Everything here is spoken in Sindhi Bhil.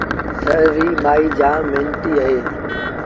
ٿر ريٚݩ مائيٚݩ جآم مهنتيٚ اهيݩ